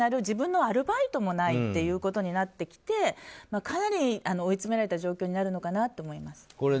自分のアルバイトもないということになってきてかなり追い詰められた状況になるのかなと思います。